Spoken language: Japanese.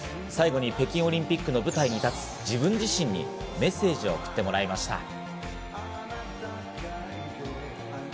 最後に北京オリンピックの舞台に立つ自分自身にメッセージを送ってもらいました。